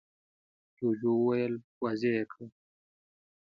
جوجو وويل: واضح يې کړه!